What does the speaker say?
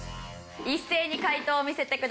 一斉に解答を見せてください。